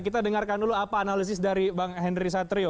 kita dengarkan dulu apa analisis dari bang henry satrio